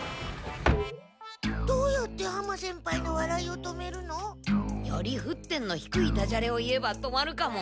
どうやって浜先輩のわらいを止めるの？よりふっ点のひくいダジャレを言えば止まるかも。